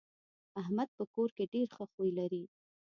احمد په کور کې ډېر ښه خوی لري.